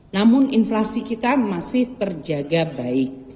namun inflasi kita masih terjaga baik